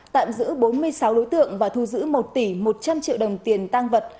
tạm giữ bốn mươi sáu đối tượng và thu giữ một tỷ một trăm linh triệu đồng tiền tăng vật